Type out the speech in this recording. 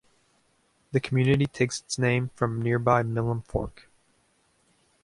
The community takes its name from nearby Milam Fork.